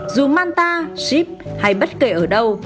dù manta ship hay bất kể ở đâu